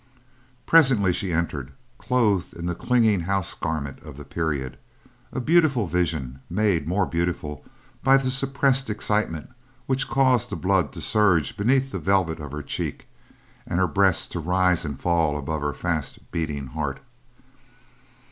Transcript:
Presently she entered, clothed in the clinging house garment of the period; a beautiful vision, made more beautiful by the suppressed excitement which caused the blood to surge beneath the velvet of her cheek, and her breasts to rise and fall above her fast beating heart.